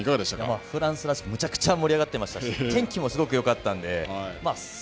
フランスらしく、むちゃくちゃ盛り上がってましたし、天気もすごくよかったので。